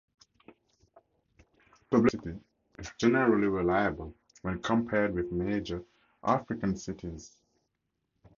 Public transport in the city is generally reliable, when compared with major African cities.